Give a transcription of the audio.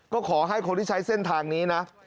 ก็ขอให้คนที่ใช้เส้นทางนี้นะ